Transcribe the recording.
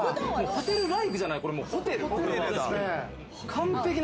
ホテルライクじゃない、これはホテル。